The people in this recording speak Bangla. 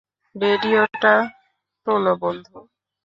রেডিওটা তোলো, বন্ধু।